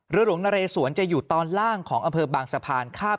หลวงนเรสวนจะอยู่ตอนล่างของอำเภอบางสะพานข้าม